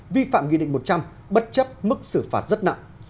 vi phạm nghị định một trăm linh bất chấp mức xử phạt rất nặng